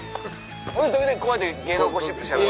時々こうやって芸能ゴシップしゃべる。